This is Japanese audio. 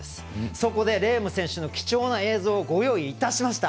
そこでレーム選手の貴重な映像をご用意いたしました。